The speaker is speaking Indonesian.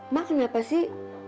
mak kenapa sih